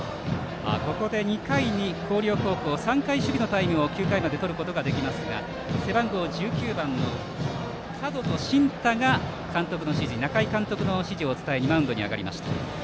ここで２回に広陵高校９回までに３回守備のタイムをとることができますが背番号１９番の角戸信太が中井監督の指示を伝えにマウンドに上がりました。